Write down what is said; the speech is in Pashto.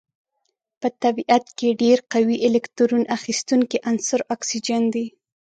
په طبیعت کې ډیر قوي الکترون اخیستونکی عنصر اکسیجن دی.